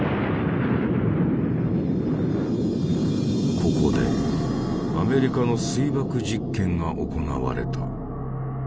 ここでアメリカの水爆実験が行われた。